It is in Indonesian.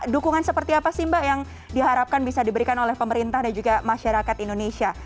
dukungan seperti apa sih mbak yang diharapkan bisa diberikan oleh pemerintah dan juga masyarakat indonesia